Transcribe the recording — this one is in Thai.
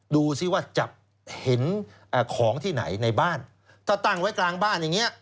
ดูสิว่าจะเห็นของที่ไหนในบ้านถ้าตั้งไว้กลางบ้านอย่างนี้